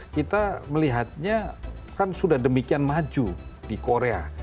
kita melihatnya kan sudah demikian maju di korea